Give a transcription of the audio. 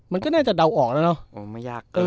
มันก็น่าจะเดาออกแล้วเนาะ